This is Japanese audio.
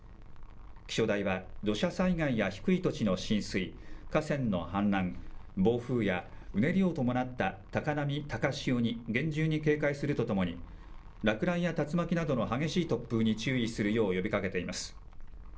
気象台は、土砂災害や低い土地の浸水、河川の氾濫、暴風やうねりを伴った高波、高潮に厳重に警戒するとともに、落雷や竜巻などの激しい突風に注意するよう呼びかけています。